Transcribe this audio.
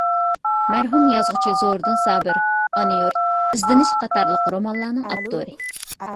مەرھۇم يازغۇچى زوردۇن سابىر — «ئانا يۇرت» ، «ئىزدىنىش» قاتارلىق رومانلارنىڭ ئاپتورى.